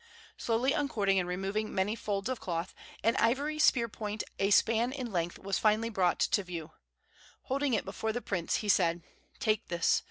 Slowly uncording and removing many folds of cloth, an ivory spear point a span in length was finally brought to view. Holding it before the prince, he said: "Take this.